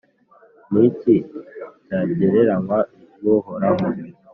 Ni iki cyagereranywa n’Uhoraho?